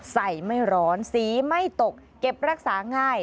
ไม่ร้อนสีไม่ตกเก็บรักษาง่าย